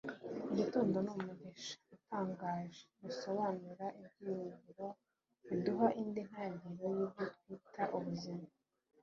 igitondo ni umugisha utangaje. risobanura ibyiringiro, biduha indi ntangiriro y'ibyo twita ubuzima